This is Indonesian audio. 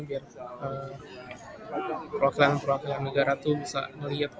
biar perwakilan perwakilan negara itu bisa melihat